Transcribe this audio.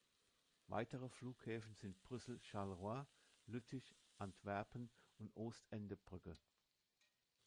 Weitere Flughäfen sind Brüssel-Charleroi, Lüttich, Antwerpen und Ostende-Brügge.